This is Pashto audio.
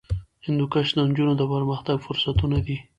هندوکش د نجونو د پرمختګ فرصتونه دي.